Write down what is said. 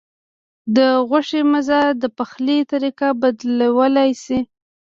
د غوښې مزه د پخلي طریقه بدلولی شي.